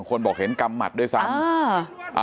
คนบอกเห็นกำหมัดด้วยซ้ำ